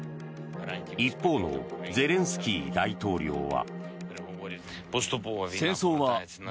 一方のゼレンスキー大統領は。